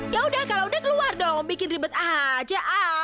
yaudah kalau udah keluar dong bikin ribet aja